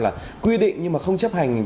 là quy định nhưng mà không chấp hành